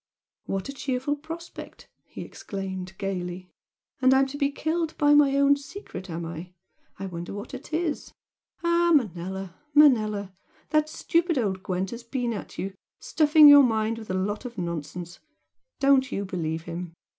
"What a cheerful prospect!" he exclaimed, gaily "And I'm to be killed by my own secret, am I? I wonder what it is! Ah, Manella, Manella! That stupid old Gwent has been at you, stuffing your mind with a lot of nonsense don't you believe him!